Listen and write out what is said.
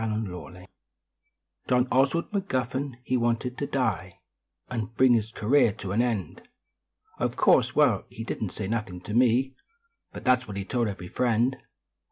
126 BUT THHN John Oswald MuGuffin he wanted to die Xd bring his career to an end ; Of covirse, well he didn t say nothin to me But that s what he told every friend.